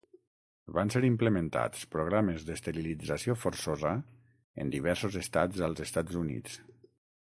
Van ser implementats programes d'esterilització forçosa en diversos estats als Estats Units.